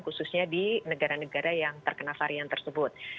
khususnya di negara negara yang terkena varian tersebut